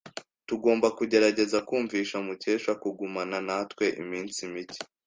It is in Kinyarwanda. Tugomba kugerageza kumvisha Mukesha kugumana natwe iminsi mike.